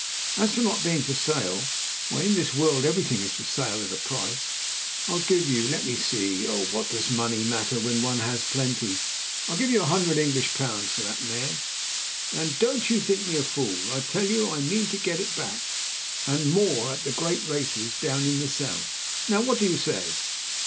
As for her not being for sale—why, in this world everything is for sale, at a price. I'll give you—let me see—oh, what does the money matter when one has plenty? I'll give you a hundred English pounds for that mare; and don't you think me a fool. I tell you I mean to get it back, and more, at the great races down in the south. Now what do you say?"